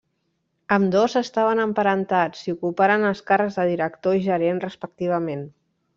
Ambdós estaven emparentats i ocuparen els càrrecs de director i gerent respectivament.